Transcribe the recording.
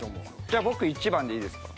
じゃあ僕１番でいいですか？